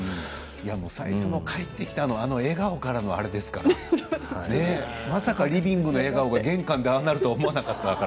最初に帰ってきての笑顔からのあれですからまさかリビングでの笑顔から玄関でああなると思わないから。